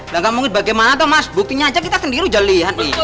gak ngomongin bagaimana toh mas buktinya aja kita sendiri aja lihat nih